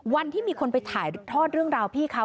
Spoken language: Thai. วันที่มีคนไปถ่ายทอดเรื่องราวพี่เขา